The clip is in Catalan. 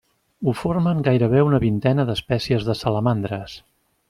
Ho formen gairebé una vintena d'espècies de salamandres.